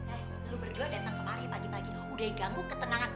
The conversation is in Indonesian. eh lo berdua datang kemari pagi pagi udah ganggu ketenangan hidup gue